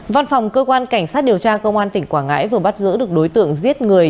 văn phòng cơ quan cảnh sát điều tra công an tỉnh quảng ngãi vừa bắt giữ được đối tượng giết người